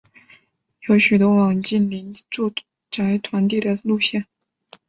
有许多网近邻住宅团地的路线。